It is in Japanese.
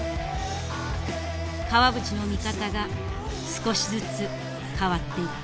川淵の見方が少しずつ変わっていった。